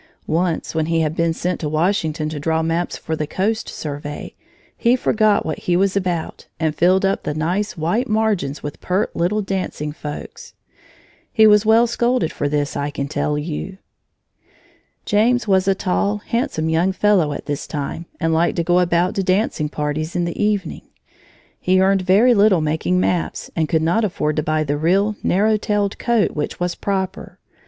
Once, when he had been sent to Washington to draw maps for the Coast Survey, he forgot what he was about and filled up the nice, white margins with pert little dancing folks. He was well scolded for this, I can tell you. James was a tall, handsome young fellow at this time, and liked to go about to dancing parties in the evening. He earned very little making maps and could not afford to buy the real, narrow tailed coat which was proper.